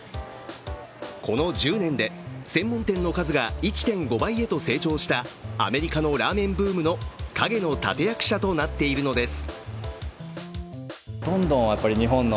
この１０年で専門店の数が１．５倍へと成長したアメリカのラーメンブームの陰の立て役者となっているのです。